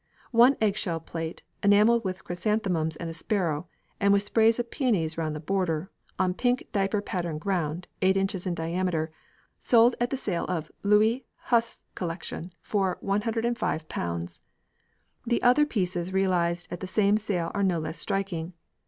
One eggshell plate, enamelled with chrysanthemums and a sparrow, and with sprays of peonies round the border, on pink diaper pattern ground, 8 in. in diameter, sold at the sale of Louis Huth's Collection for ┬Ż105. The other prices realised at the same sale are no less striking.